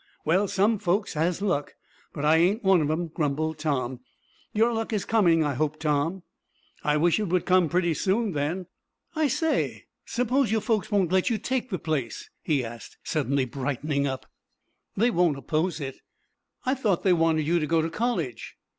"Well, some folks has luck, but I ain't one of 'em," grumbled Tom. "Your luck is coming, I hope, Tom." "I wish it would come pretty soon, then; I say, suppose your folks won't let you take the place?" he asked, suddenly, brightening up. "They won't oppose it." "I thought they wanted you to go to college."